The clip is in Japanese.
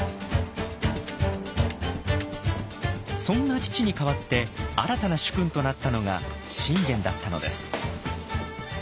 そんな父に代わって新たな主君となったのが信玄だったのです。